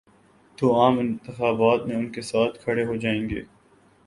تو عام انتخابات میں ان کے ساتھ کھڑے ہو جائیں گے۔